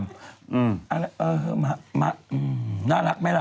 แล้วเออมาน่ารักไหมละ